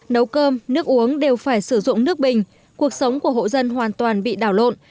nấu cơm nước uống đều phải sử dụng nước bình cuộc sống của hộ dân hoàn toàn bị đảo lộn